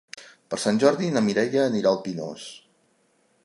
Per Sant Jordi na Mireia anirà al Pinós.